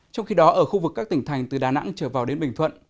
trong khi đó ở khu vực các tỉnh thành từ đà nẵng trở vào đến bình thuận